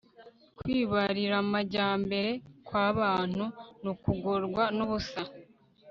Kwibariramajyambere kwabantu nukugorwa nubusa